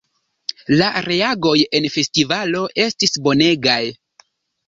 La reagoj en festivalo estis bonegaj!